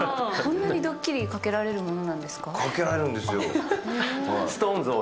そんなにどっきりかけられるかけられるんですよ。